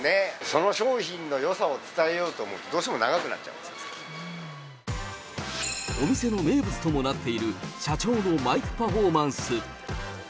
その商品のよさを伝えようと思うと、どうしても長くなっちゃうんお店の名物ともなっている社長のマイクパフォーマンス。